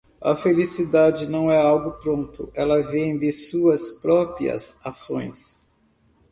A felicidade não é algo pronto. Ela vem de suas próprias ações.